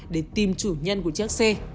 để tìm chủ nhân của chiếc xe